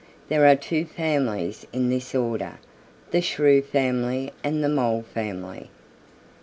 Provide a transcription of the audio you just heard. There are two families in this order, the Shrew family and the Mole family."